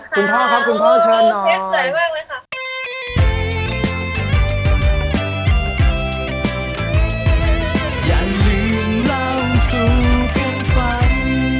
คุณพ่อครับคุณพ่อเชิญนอน